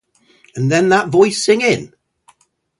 And then that voice singing!